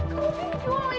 kalau dia kecuali